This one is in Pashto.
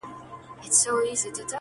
دوی په ولایتونو کې ګرځي